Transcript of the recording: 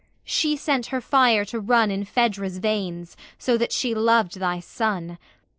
She sent her fire to run In Phaedra's veins, so that she loved thy son.